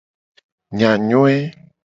Enyanyoe.